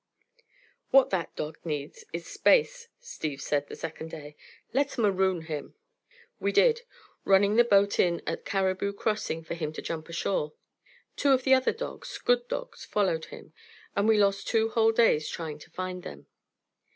"What that dog needs is space," Steve said the second day. "Let's maroon him." We did, running the boat in at Caribou Crossing for him to jump ashore. Two of the other dogs, good dogs, followed him; and we lost two whole days trying to find them.